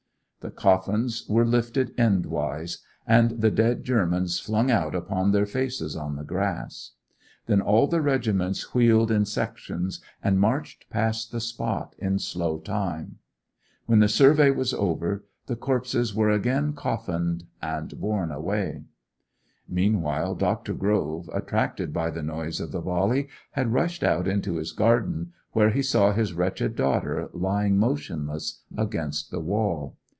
The coffins were lifted endwise, and the dead Germans flung out upon their faces on the grass. Then all the regiments wheeled in sections, and marched past the spot in slow time. When the survey was over the corpses were again coffined, and borne away. Meanwhile Dr. Grove, attracted by the noise of the volley, had rushed out into his garden, where he saw his wretched daughter lying motionless against the wall.